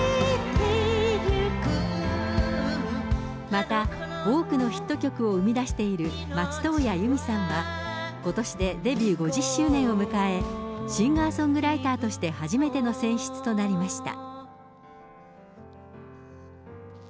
また、多くのヒット曲を生み出している松任谷由実さんはことしでデビュー５０周年を迎え、シンガーソングライターとして初めての選出となりました。